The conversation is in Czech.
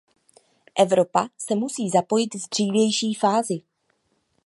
Evropa se musí zapojit v dřívější fázi.